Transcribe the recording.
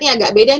ini agak beda nih